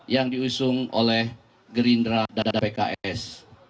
yang diusung oleh gerindra dan pks